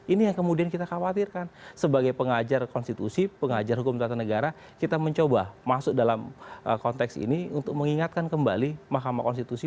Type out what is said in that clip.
ini yang kemudian kita khawatirkan sebagai pengajar konstitusi pengajar hukum tata negara kita mencoba masuk dalam konteks ini untuk mengingatkan kembali mahkamah konstitusi